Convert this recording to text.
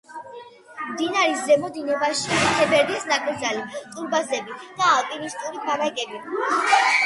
მდინარის ზემო დინებაშია თებერდის ნაკრძალი, ტურბაზები და ალპინისტური ბანაკები.